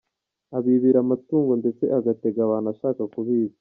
Abibira amatungo ndetse agatega abantu ashaka kubica.